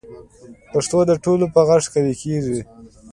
پښتو د ټولو په غږ قوي کېږي.